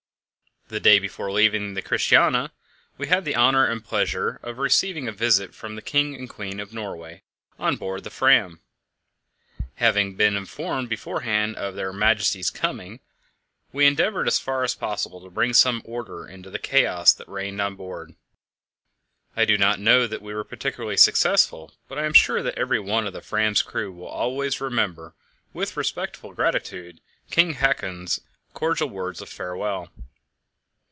The day before leaving Christiania we had the honour and pleasure of receiving a visit from the King and Queen of Norway on board the Fram. Having been informed beforehand of their Majesties' coming, we endeavoured as far as possible to bring some order into the chaos that reigned on board. I do not know that we were particularly successful, but I am sure that every one of the Fram's crew will always remember with respectful gratitude King Haakon's cordial words of farewell.